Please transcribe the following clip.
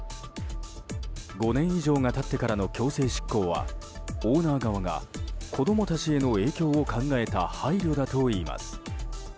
５年以上が経ってからの強制執行はオーナー側が子供たちへの影響を考えた配慮だといいます。